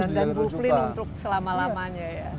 blueplin untuk selama lamanya ya